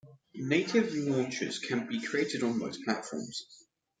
Native launchers can be created on most platforms.